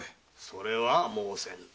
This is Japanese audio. それは申せぬ。